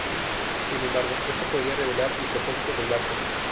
Sin embargo, esto podría revelar el propósito del barco.